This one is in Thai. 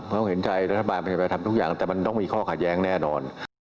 เขาเห็นใจรัฐบาลประชาชนทำทุกอย่างแต่มันต้องมีข้อขัดแย้งแน่นอน